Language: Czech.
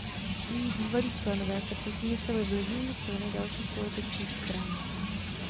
Její bývalí členové se později stali vlivnými členy dalších politických stran.